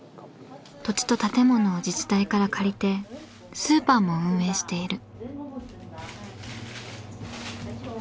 土地と建物を自治体から借りてスーパーも運営している。